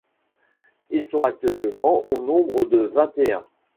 Ils sont actuellement au nombre de vingt-et-un.